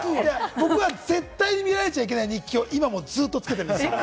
僕は絶対見られちゃいけない日記を今もずっとつけてます。